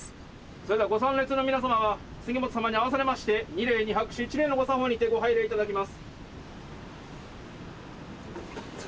それではご参列の皆様は杉本様に合わされまして二礼二拍手一礼の御作法にてご拝礼頂きます。